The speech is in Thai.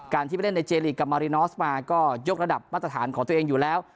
ที่ไปเล่นในเจลีกกับมารินอสมาก็ยกระดับมาตรฐานของตัวเองอยู่แล้ว